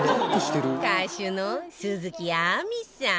歌手の鈴木亜美さん